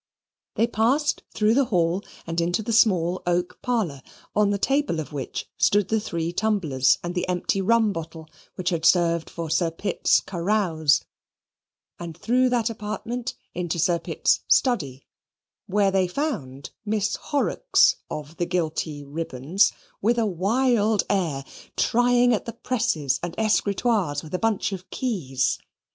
They passed through the hall and the small oak parlour, on the table of which stood the three tumblers and the empty rum bottle which had served for Sir Pitt's carouse, and through that apartment into Sir Pitt's study, where they found Miss Horrocks, of the guilty ribbons, with a wild air, trying at the presses and escritoires with a bunch of keys.